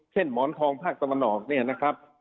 เช่นหมอนทองภาคตะวันออก